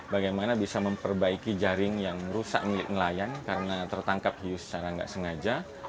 bagaimana bisa memperbaiki jaring yang rusak milik nelayan karena tertangkap hiu secara nggak sengaja